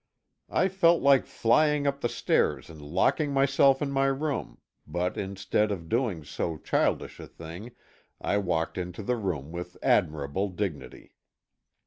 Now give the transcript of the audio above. I felt like flying up the stairs and locking myself in my room, but instead of doing so childish a thing, I walked into the room with admirable dignity.